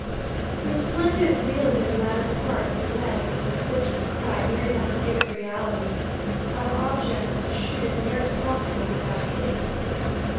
There was plenty of zeal in this latter part, as the lead must have zipped and cried near enough to give it reality. Our object was to shoot as near as possible without hitting.